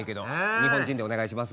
日本人でお願いします。